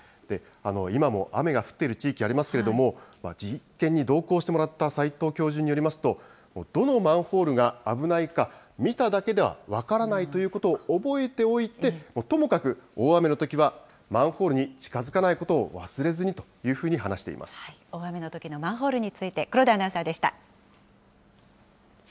今も雨が降っている地域ありますけれども、実験に同行してもらった斎藤教授によりますと、どのマンホールが危ないか、見ただけでは分からないということを覚えておいて、ともかく大雨のときはマンホールに近づかないことを忘れずにとい大雨のときのマンホールについて、黒田アナウンサーでした。